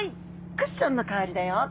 クッションの代わりだよ」と。